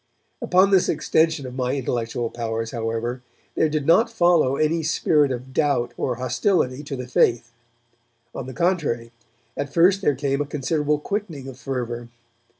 Upon this extension of my intellectual powers, however, there did not follow any spirit of doubt or hostility to the faith. On the contrary, at first there came a considerable quickening of fervour.